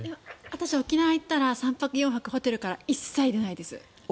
私、沖縄に行ったら３泊４泊、ホテルから一切出ないです。